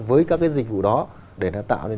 với các dịch vụ đó để tạo nên